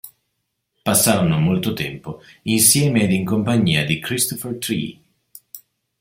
Passarono molto tempo insieme ed in compagnia di Christopher Tree.